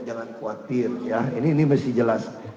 jangan khawatir ya ini mesti jelas